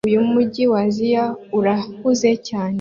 Uyu mujyi wa Aziya urahuze cyane